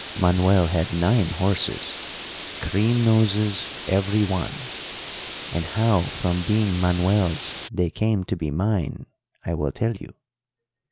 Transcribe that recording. Manuel had nine horses cream noses every one and how from being Manuel's they came to be mine I will tell you.